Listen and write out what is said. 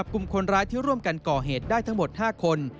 กลุ่มคนร้ายที่ร่วมกันก่อเหตุได้ทั้งหมด๕คน